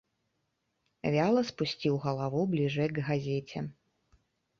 Вяла спусціў галаву бліжэй к газеце.